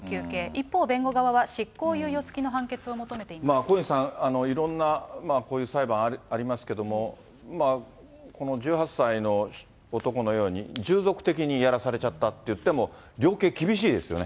一方、弁護側は執行猶予付きの判小西さん、いろんなこういう裁判ありますけれども、この１８歳の男のように、従属的にやらされちゃったっていっても、量刑厳しいですよね。